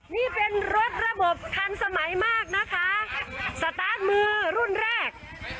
นี่เป็นรถระบบทันสมัยมากนะคะสตาร์ทมือรุ่นแรก